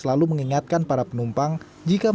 terus unik aja ada di angkot